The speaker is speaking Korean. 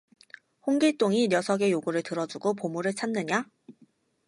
홍길동이 녀석의 요구를 들어주고 보물을 찾느냐